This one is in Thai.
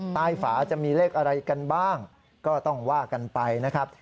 ฝาจะมีเลขอะไรกันบ้างก็ต้องว่ากันไปนะครับ